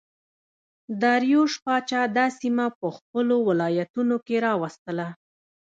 داریوش پاچا دا سیمه په خپلو ولایتونو کې راوستله